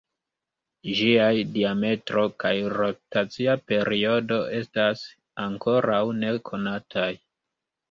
Ĝiaj diametro kaj rotacia periodo estas ankoraŭ nekonataj.